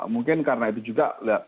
mungkin karena itu juga